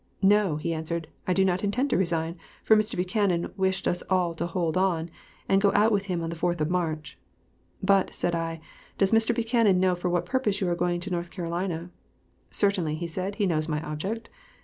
"No," he answered, "I do not intend to resign, for Mr. Buchanan wished us all to hold on, and go out with him on the 4th of March." "But," said I, "does Mr. Buchanan know for what purpose you are going to North Carolina?" "Certainly," he said, "he knows my object."